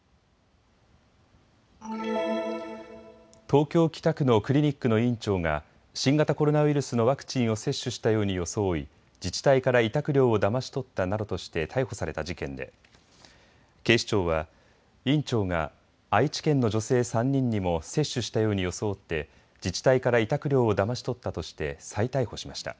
東京北区のクリニックの院長が新型コロナウイルスのワクチンを接種したように装い自治体から委託料をだまし取ったなどとして逮捕された事件で警視庁は院長が愛知県の女性３人にも接種したように装って自治体から委託料をだまし取ったとして再逮捕しました。